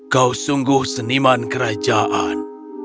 kau sungguh seniman kerajaan